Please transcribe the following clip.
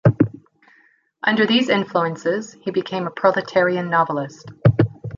Under these influences he became a proletarian novelist.